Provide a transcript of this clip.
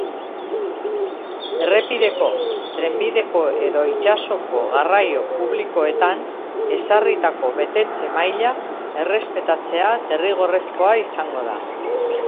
Errepideko, trenbideko edo itsasoko garraio publikoetan ezarritako betetze-maila errespetatzea derrigorrezkoa izango da.